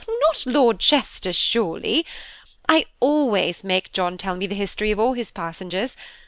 "Not Lord Chester surely! I always make John tell me the history of all his passengers.